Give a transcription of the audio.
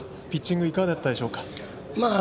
ピッチングいかがだったでしょうか？